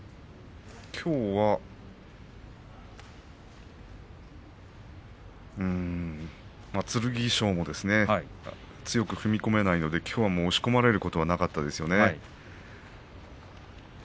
きょうはうーん剣翔もですね強く踏み込めないのできょうは押し込まれることがなかったですね。